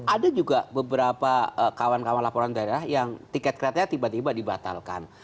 ada juga beberapa kawan kawan laporan daerah yang tiket keretanya tiba tiba dibatalkan